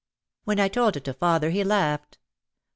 When I told it to father he laughed.